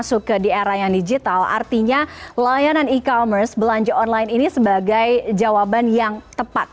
masuk ke di era yang digital artinya layanan e commerce belanja online ini sebagai jawaban yang tepat